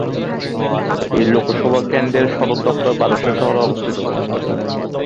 এই লোকসভা কেন্দ্রর সদর দফতর বালেশ্বর শহরে অবস্থিত।